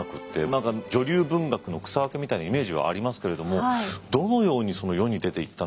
何か女流文学の草分けみたいなイメージはありますけれどもどのように世に出ていったのかちょっと分かんないですね。